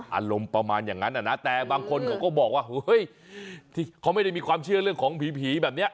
อารมณ์ประมาณอย่างนั้นนะแต่บางคนเขาก็บอกว่าเฮ้ยที่เขาไม่ได้มีความเชื่อเรื่องของผีแบบนี้